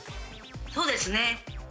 そうですね。